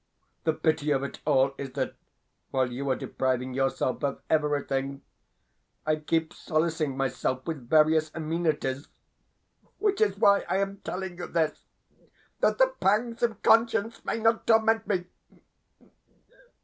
The pity of it all is that, while you are depriving yourself of everything, I keep solacing myself with various amenities which is why I am telling you this, that the pangs of conscience may not torment me.